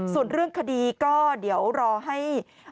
ส่วนเรื่องคดีก็เดี๋ยวรอให้